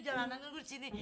jalanan gue disini